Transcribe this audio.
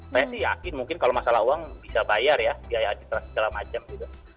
saya sih yakin mungkin kalau masalah uang bisa bayar ya biaya administrasi segala macam gitu